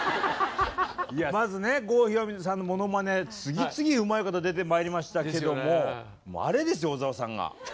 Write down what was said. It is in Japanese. まずね郷ひろみさんのものまね次々うまい方出てまいりましたけどももうあれですよ小沢さんが。